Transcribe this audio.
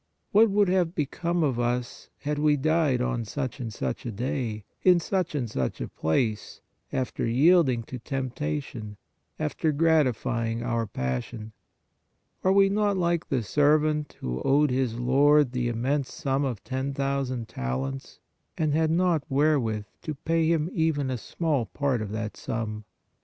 What would have become of us, had we died on such and such a day, in such and such a place, after yielding to tempta tion, after gratifying our passion? Are we not like the servant who owed his lord the immense sum of ten thousand talents, and had not wherewith to pay him even a small part of that sum?